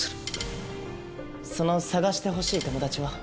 その捜してほしい友達は？